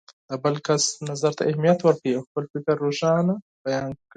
د بل کس نظر ته اهمیت ورکړئ او خپل فکر روښانه بیان کړئ.